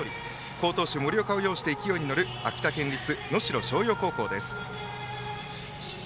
好投手、森岡投手を擁して勢いに乗る秋田県立能代松陽高校。